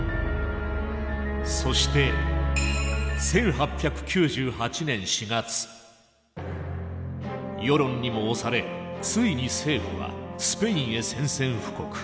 そして世論にも押されついに政府はスペインへ宣戦布告。